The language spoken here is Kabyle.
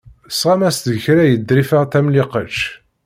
Tesɣam-as-d kra i Ḍrifa Tamlikect.